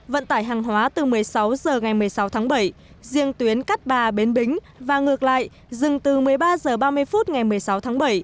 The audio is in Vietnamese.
vận tải hàng hóa từ một mươi sáu h ngày một mươi sáu tháng bảy riêng tuyến cát bà bến bính và ngược lại dừng từ một mươi ba h ba mươi phút ngày một mươi sáu tháng bảy